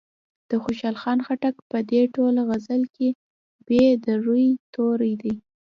د خوشال خټک په دې ټوله غزل کې ب د روي توری دی.